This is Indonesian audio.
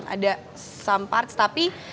ada beberapa bagian tapi